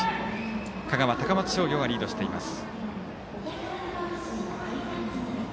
香川、高松商業がリードしています。